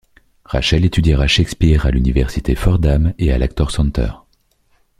Rachel étudiera Shakespeare à l'Université Fordham et à l'Actors Center.